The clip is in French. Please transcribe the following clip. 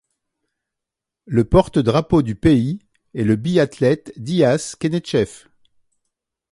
Le porte-drapeau du pays est le biathlète Dias Keneshev.